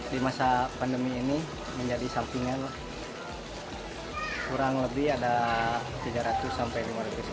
di masa pandemi ini menjadi sampingan kurang lebih ada tiga ratus sampai lima ratus